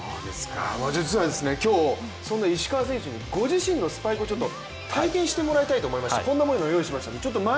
実は今日、そんな石川選手のご自身のスパイクを体験してもらいたいと思いましてこんなものをご用意しました。